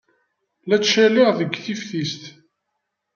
La ttcaliɣ deg teftist.